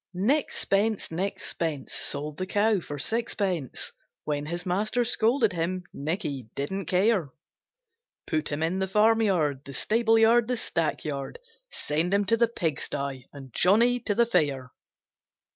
NICK SPENCE, Nick Spence, Sold the Cow for sixpence! When his Master scolded him, Nicky didn't care. Put him in the farmyard, The stableyard, the stackyard, Send him to the pigsty, And Johnny to the fair!